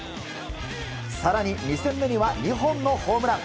更に２戦目には２本のホームラン。